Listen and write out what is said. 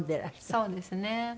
そうですね。